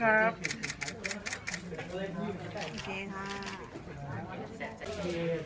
ขอสายตาซ้ายสุดด้วยครับ